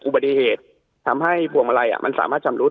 อุบัติเหตุทำให้พวงมาลัยมันสามารถชำรุด